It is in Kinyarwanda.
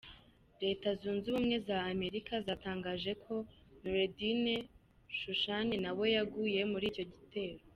Leta Zunze Ubumwe za Amerika, zatangaje ko Noureddine Chouchane nawe yaguye muri icyo gitero.